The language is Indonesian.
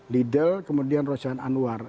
lidl kemudian rojan anwar